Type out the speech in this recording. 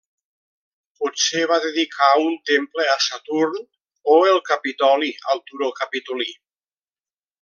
Potser va dedicar un temple a Saturn o el Capitoli al turó Capitolí.